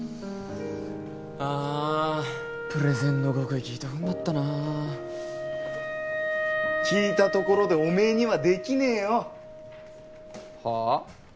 ああプレゼンの極意聞いとくんだったな聞いたところでおめえにはできねえよはっ！？